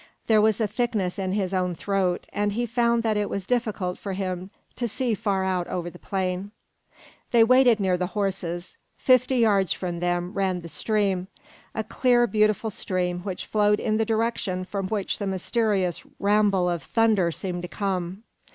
There was a thickness in his own throat, and he found that it was difficult for him to see far out over the plain. They waited near the horses. Fifty yards from them ran the stream; a clear, beautiful stream which flowed in the direction from which the mysterious ramble of thunder seemed to come.